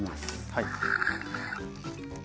はい。